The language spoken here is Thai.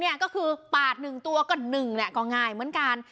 เนี่ยก็คือปาด๑ตัวก็๑แหละก็ง่ายเหมือนกัน